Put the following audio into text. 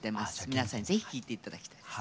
皆さん是非聴いて頂きたいです。